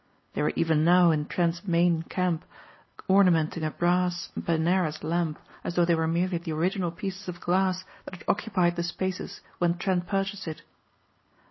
They were even now in Trent's Maine camp ornamenting a brass Benares lamp as though they were merely the original pieces of glass that had occupied the spaces when Trent purchased it.